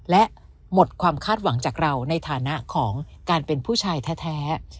และหมดความคาดหวังจากเราในฐานะของการเป็นผู้ชายแท้